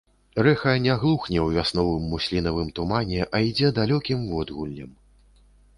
Рэха не глухне ў вясновым муслінавым тумане, а ідзе далёкім водгуллем.